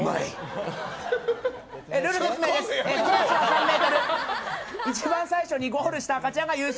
コースは３ｍ一番最初にゴールした赤ちゃんが優勝。